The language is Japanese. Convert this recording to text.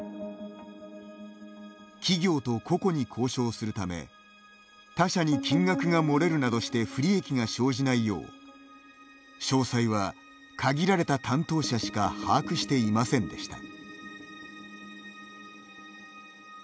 企業と個々に交渉するため他社に金額が漏れるなどして不利益が生じないよう詳細は限られた担当者しか把握していませんでした。